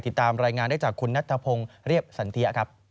ติดตามรายงานได้จากคุณนัทธพงศ์เรียบสันเทียครับ